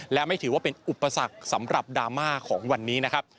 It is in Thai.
และไม่ถือว่าเป็นอุปสรรคสำหรับดราม่าของวันนี้นะครับ